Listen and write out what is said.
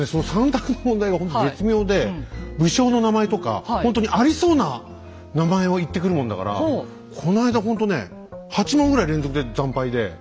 その３択の問題がほんと絶妙で武将の名前とかほんとにありそうな名前を言ってくるもんだからこの間ほんとね８問ぐらい連続で惨敗で。